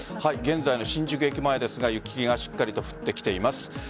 現在の新宿駅前ですが雪がしっかりと降ってきています。